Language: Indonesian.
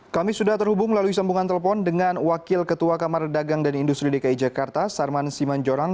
kami sudah terhubung melalui sambungan telepon dengan wakil ketua kamar dagang dan industri dki jakarta sarman simanjorang